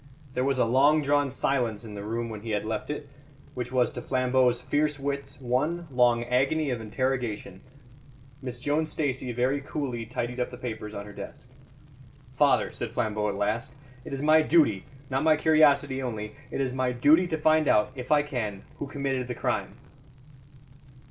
There was a long drawn silence in the room when he had left it, which was to Flambeau's fierce wits one long agony of interrogation. Miss Joan Stacey very coolly tidied up the papers on her desk. "Father," said Flambeau at last, "it is my duty, not my curiosity only it is my duty to find out, if I can, who committed the crime."